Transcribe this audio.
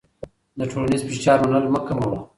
د ټولنیز فشار منل مه کوه.